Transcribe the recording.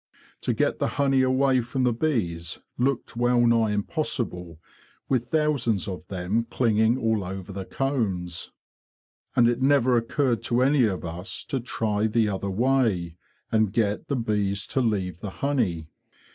To get the honey away from the bees looked well nigh impossible with thousands of them clinging all over the combs. And it never occurred to any of us to try the other way, and get the bees to leave the honey.